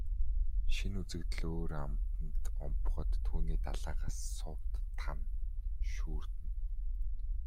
Шинэ үзэгдэл өөр амтанд умбахад түүний далайгаас сувд, тана шүүрдэнэ.